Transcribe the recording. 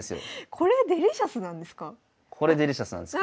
これデリシャスなんです。